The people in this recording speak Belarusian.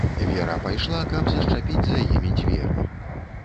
Вера пайшла, каб зашчапіць за імі дзверы.